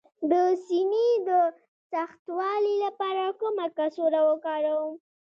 د سینې د سختوالي لپاره کومه کڅوړه وکاروم؟